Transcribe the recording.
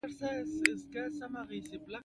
زما دوطن د ښځوسترګوکې ټپونه شنه شوه